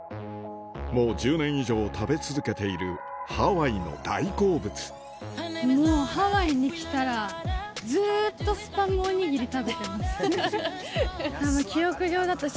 もう１０年以上食べ続けている、もうハワイに来たら、ずっとスパムお握り食べてます。